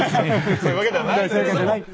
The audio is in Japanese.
そういうわけではないけれども。